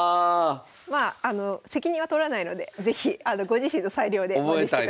まああの責任は取らないので是非ご自身の裁量で試してください。